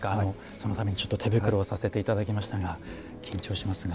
そのためにちょっと手袋をさせて頂きましたが緊張しますが。